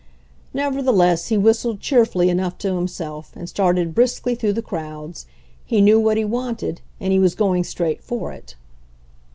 Nevertheless, he whistled cheerfully enough to himself, and started briskly through the crowds. He knew what he wanted, and he was going straight for it.